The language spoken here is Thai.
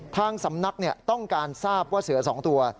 ทางสำนักต้องการทราบว่าเสือ๒ตัว